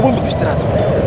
tepuk muntuh seteratu